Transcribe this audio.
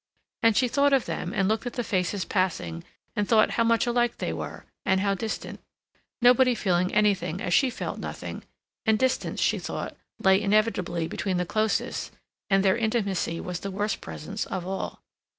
And she thought of them and looked at the faces passing, and thought how much alike they were, and how distant, nobody feeling anything as she felt nothing, and distance, she thought, lay inevitably between the closest, and their intimacy was the worst presence of all.